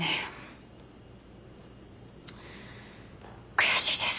悔しいです。